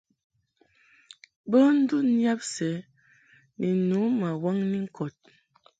Bo ndun yab sɛ ni nu ma waŋni ŋkɔd.